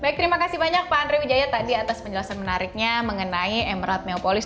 baik terima kasih banyak pak andre wijaya tadi atas penjelasan menariknya mengenai emerald neopolis